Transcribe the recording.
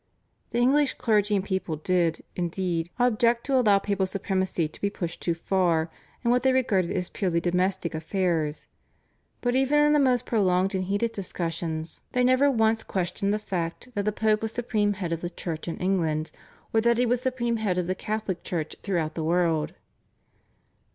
The English clergy and people did, indeed, object to allow papal supremacy to be pushed too far in what they regarded as purely domestic affairs, but even in the most prolonged and heated discussions they never once questioned the fact that the Pope was Supreme Head of the Church in England, or that he was Supreme Head of the Catholic Church throughout the world.